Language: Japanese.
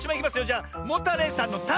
じゃモタレイさんの「タ」！